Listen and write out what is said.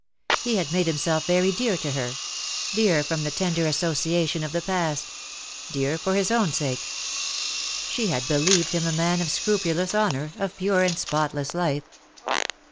He had made himself very dear to her— dear from the tender association of the past — dear for his own sake. She had believed him a man of scrupulous honour, of pure and spotless life.